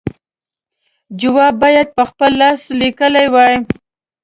جواب باید په خپل لاس لیکلی وای.